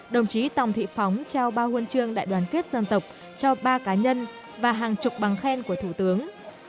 đồng chí tòng thị phóng trao ba huân chương đại đoàn kết dân tộc cho ba cá nhân và hàng chục bằng khen của thủ tướng